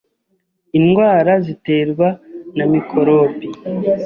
indwara ziterwa na mikorobi